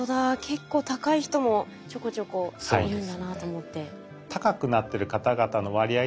結構高い人もちょこちょこいるんだなと思って。